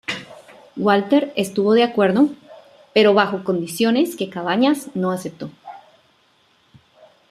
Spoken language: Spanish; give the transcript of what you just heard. Walker estuvo de acuerdo, pero bajo condiciones que Cabañas no aceptó.